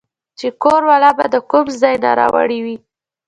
چې کور والا به د کوم ځاے نه راوړې وې